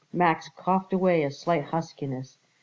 Max coughed away a slight huskiness.